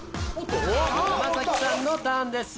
山崎さんのターンです。